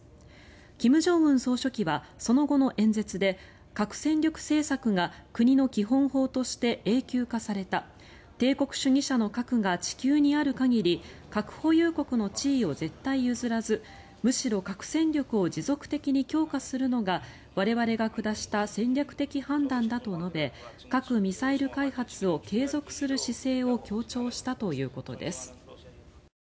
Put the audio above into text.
金正恩総書記はその後の演説で核戦力政策が国の基本法として永久化された帝国主義者の核が地球にある限り核保有国の地位を絶対譲らずむしろ核戦力を持続的に強化するのが我々が下した戦略的判断だと述べ核・ミサイル開発を継続する姿勢を強調したということです。